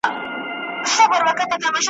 هغه ښکلي الفاظ او کلمات چي `